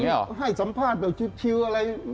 ใช่ยังให้สำราชหน่อยเล่นแบบชิ้วอะไร